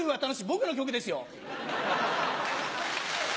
僕の曲ですよ。